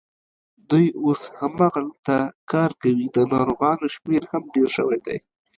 دوی اوس هماغلته کار کوي، د ناروغانو شمېر هم ډېر شوی دی.